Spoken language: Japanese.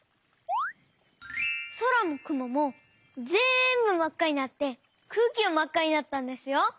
そらもくももぜんぶまっかになってくうきもまっかになったんですよ！